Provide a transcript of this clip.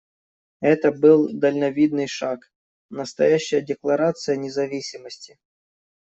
Это был дальновидный шаг, настоящая декларация независимости.